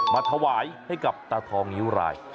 มาถวายให้กับตาทองนิ้วราย